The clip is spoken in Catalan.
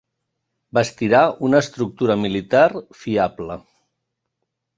Bastirà una estructura militar fiable.